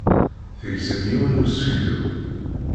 Tegzem yiwen n useklu.